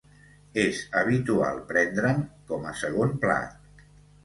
És habitual prendre'n com a segon plat.